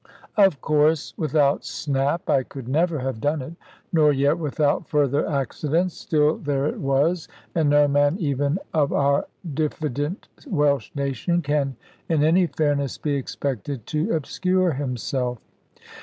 Of course without Snap I could never have done it; nor yet without further accidents: still there it was; and no man even of our diffident Welsh nation, can in any fairness be expected to obscure himself.